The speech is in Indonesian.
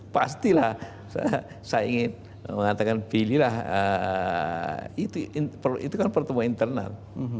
pastilah saya ingin mengatakan pilihlah itu kan pertemuan internal